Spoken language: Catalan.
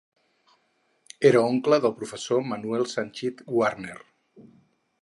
Era oncle del professor Manuel Sanchis Guarner.